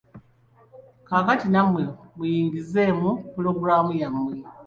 Kaakati nnammwe muyingizeemu puloguraamu yammwe.